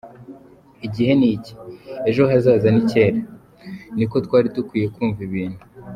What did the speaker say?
« Igihe ni iki, ejo hazaza ni kera », niko twari dukwiye kumva ibintu.